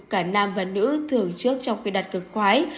cả nam và nữ thường trước trong khi đặt cược khoái